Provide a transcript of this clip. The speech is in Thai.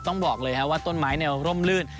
ต้องบอกเลยว่าต้นไม้แนวร่มลื่น